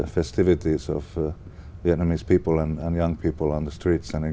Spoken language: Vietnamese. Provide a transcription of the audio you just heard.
và tôi biết việt nam và việt nam